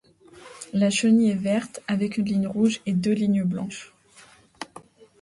La chenille est verte, avec une ligne rouge et deux lignes blanches.